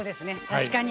確かに。